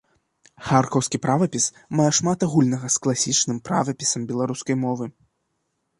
Харкаўскі правапіс мае шмат агульнага з класічным правапісам беларускай мовы.